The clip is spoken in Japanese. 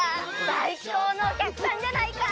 さいこうのおきゃくさんじゃないか！